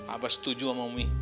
abah setuju sama umi